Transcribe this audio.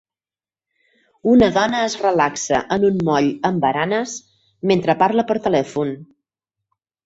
Una dona es relaxa en un moll amb baranes mentre parla per telèfon.